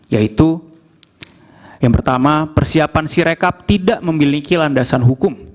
yaitu yang pertama persiapan sirekap tidak memiliki landasan hukum